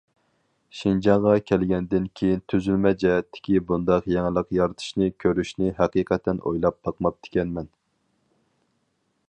شىنجاڭغا كەلگەندىن كېيىن تۈزۈلمە جەھەتتىكى بۇنداق يېڭىلىق يارىتىشنى كۆرۈشنى ھەقىقەتەن ئويلاپ باقماپتىكەنمەن.